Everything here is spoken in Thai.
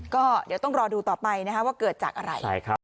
ก็เดี๋ยวต้องรอดูต่อไปว่าเกิดจากอะไร